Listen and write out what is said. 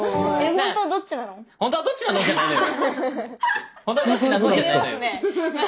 「本当はどっちなの？」じゃないのよ。